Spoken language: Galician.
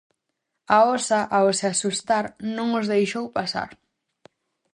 A osa ao se asustar non os deixou pasar...